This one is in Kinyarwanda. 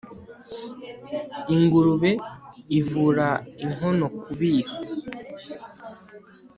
Ingurube ivura inkono kubiha